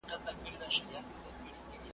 لښتې په غلي غږ وویل چې خدای مې لمن زرغونه کړي.